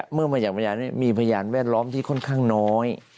เมื่อมาจากพยานนี้มีพยานแวดล้อมที่ค่อนข้างน้อย